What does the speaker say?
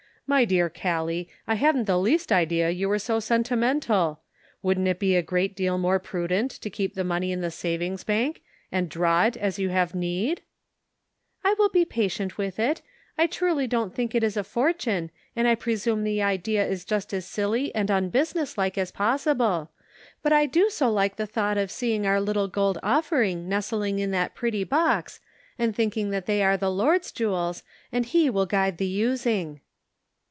My dear Gallic, I hadn't the least idea you were so sentimental! Wouldn't it be a great deal more prudent to keep the money in the savings bank, and draw it as you have need ?" "I will be prudent with it. I truly don't Their Jewels. 27 think it is a fortune, and I presume the idea is just as silly and unbusiness like as possible, but I do so like the thought of seeing our little gold offering nestling in that pretty box, and thinking that they are the Lord's jewels, and he will guide the using."